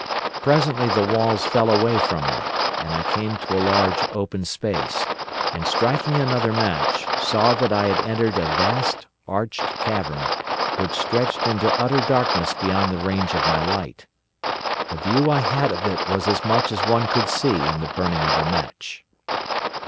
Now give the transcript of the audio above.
Presently the walls fell away from me, and I came to a large open space, and striking another match, saw that I had entered a vast arched cavern, which stretched into utter darkness beyond the range of my light. The view I had of it was as much as one could see in the burning of a match.